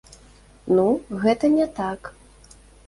Ну, гэта не так.